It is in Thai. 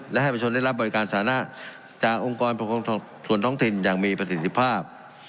และให้ประชนได้รับบริการสานะจากองค์กรปกครองส่วนท้องถิ่นอย่างมีประสิทธิภาพ